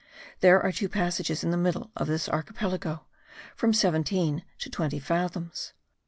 There are two passages in the middle of this archipelago, from seventeen to twenty fathoms.